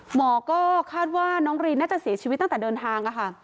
หมอก็คาดว่าน้องรีนน่าจะเสียชีวิตตั้งแต่เดินทาง